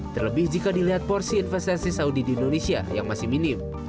terlebih jika dilihat porsi investasi saudi di indonesia yang masih minim